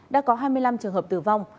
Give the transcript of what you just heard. đã có hai mươi năm trường hợp tử vong